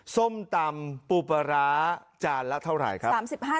ส้มตำปูปลาร้าจานละเท่าไหร่ครับ